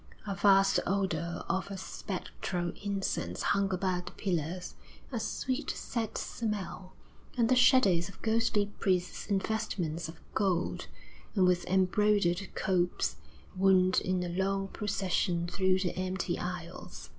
A vague odour of a spectral incense hung about the pillars, a sweet, sad smell, and the shadows of ghostly priests in vestments of gold, and with embroidered copes, wound in a long procession through the empty aisles.